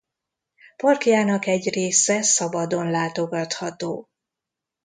Parkjának egy része szabadon látogatható.